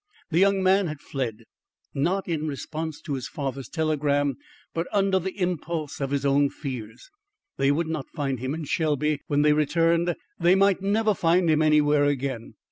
The young man had fled, not in response to his father's telegram, but under the impulse of his own fears. They would not find him in Shelby when they returned. They might never find him anywhere again.